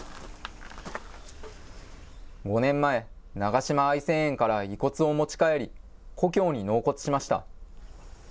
５年前、長島愛生園から遺骨を持ち帰り、故郷に納骨しました。